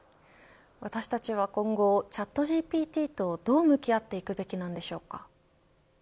私たちは今後チャットＧＰＴとどう向き合っていくべきなんでしょうか。